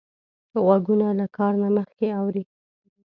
غوږونه له کار نه مخکې اوري